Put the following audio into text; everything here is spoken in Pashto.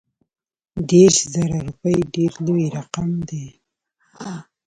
دېرش زره روپي ډېر لوی رقم دی.